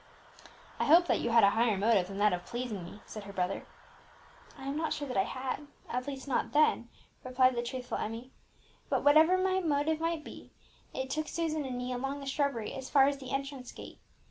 "I hope that you had a higher motive than that of pleasing me," said her brother. "I am not sure that I had, at least not then," replied the truthful Emmie. "But, whatever my motive might be, it took Susan and me along the shrubbery as far as the entrance gate.